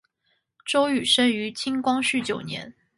周珏生于清光绪九年。